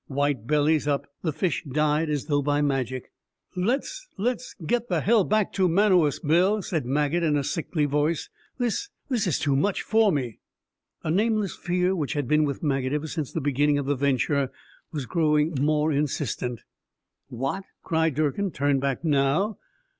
White bellies up, the fish died as though by magic. "Let's let's get the hell back to Manoas, Bill," said Maget in a sickly voice. "This this is too much for me." A nameless fear, which had been with Maget ever since the beginning of the venture, was growing more insistent. "What?" cried Durkin. "Turn back now?